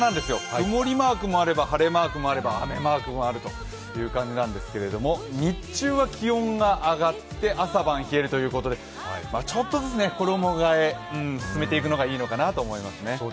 曇りマークもあれば晴れマークもあれば雨マークもあるという感じなんですけど日中は気温が上がって朝晩冷えるということでちょっとずつ衣がえを進めていくのがいいと思いますね。